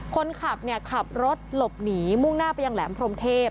คนขับขับรถหลบหนีมุ่งหน้าไปยังแหลมพรมเทพ